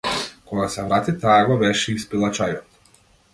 Кога се врати таа го беше испила чајот.